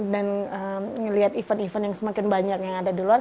dan ngelihat event event yang semakin banyak yang ada di luar